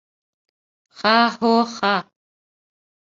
Ха-һо-ха!